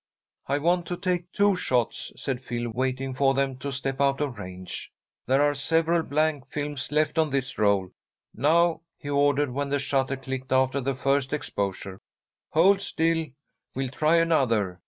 "I want to take two shots," said Phil, waiting for them to step out of range. "There are several blank films left on this roll. Now," he ordered, when the shutter clicked after the first exposure, "hold still, we'll try another.